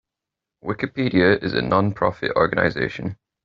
Wikipedia is a non-profit organization.